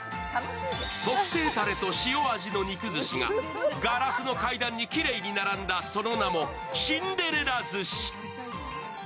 特製ダレと塩味の肉寿司がガラスの階段にきれいに並んだ、その名もシンデレラ寿司。